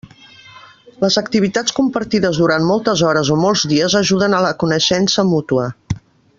Les activitats compartides durant moltes hores o molts dies ajuden a la coneixença mútua.